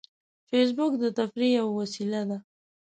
فېسبوک د تفریح یوه وسیله ده